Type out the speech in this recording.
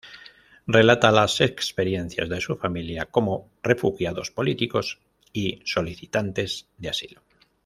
Relata las experiencias de su familia como refugiados políticos y solicitantes de asilo.